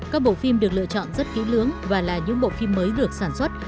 các bộ phim được lựa chọn rất kỹ lưỡng và là những bộ phim mới được sản xuất